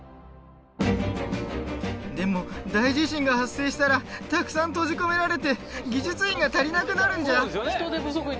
でも大地震が発生したらたくさん閉じ込められて技術員が足りなくなるんじゃ？